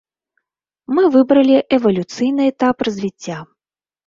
Мы выбралі эвалюцыйны этап развіцця.